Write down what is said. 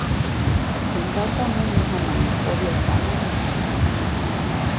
Äj ndata, mumu jamaʼuŋnaʼajk ʼobya tsaʼmomo.